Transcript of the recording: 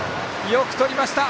よくとりました。